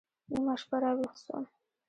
نيمه شپه راويښ سوم.